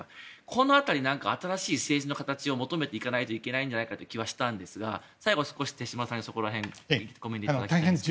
この辺り、新しい政治の形を求めていかないといけないんじゃないかという気はしたんですが最後少し手嶋さんにその辺お聞きしたいです。